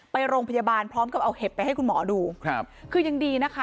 ไปโรงพยาบาลพร้อมกับเอาเห็บไปให้คุณหมอดูครับคือยังดีนะคะ